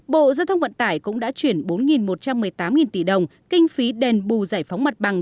bộ giao thông vận tải cũng đã chuyển bốn một trăm một mươi tám tỷ đồng kinh phí đền bù giải phóng mặt bằng